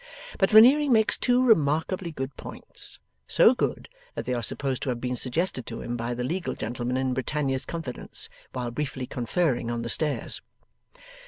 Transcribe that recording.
But Veneering makes two remarkably good points; so good, that they are supposed to have been suggested to him by the legal gentleman in Britannia's confidence, while briefly conferring on the stairs.